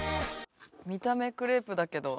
見た目クレープだけど。